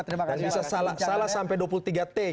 dan bisa salah sampai dua puluh tiga t gitu